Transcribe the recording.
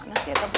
salami tanpa wali